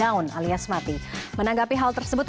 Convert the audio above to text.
down alias mati menanggapi hal tersebut